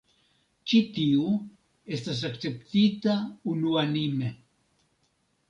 Ĉi tiu estas akceptita unuanime.